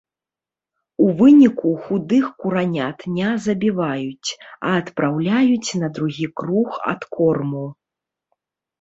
У выніку худых куранят ня забіваюць, а адпраўляюць на другі круг адкорму.